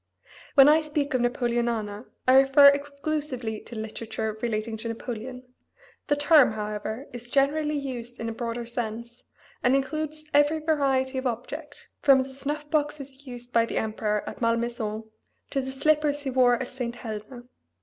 When I speak of Napoleonana I refer exclusively to literature relating to Napoleon; the term, however, is generally used in a broader sense, and includes every variety of object, from the snuff boxes used by the emperor at Malmaison to the slippers he wore at St. Helena.